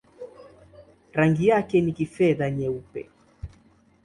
Rangi yake ni kifedha-nyeupe.